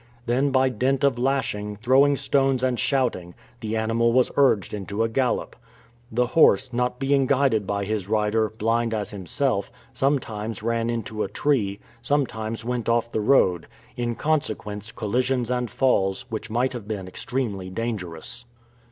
Then, by dint of lashing, throwing stones, and shouting, the animal was urged into a gallop. The horse, not being guided by his rider, blind as himself, sometimes ran into a tree, sometimes went quite off the road in consequence, collisions and falls, which might have been extremely dangerous.